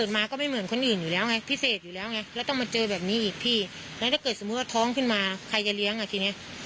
เมื่อท้องขึ้นมาใครจะเลี้ยงอ่ะทีนี้